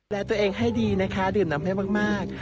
และตัวเองให้ดีนะคะดื่มน้ำให้มาก